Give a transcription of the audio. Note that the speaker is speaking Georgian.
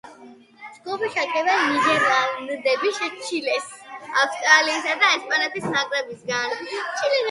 ჯგუფი შედგება, ნიდერლანდების, ჩილეს, ავსტრალიისა და ესპანეთის ნაკრებებისგან.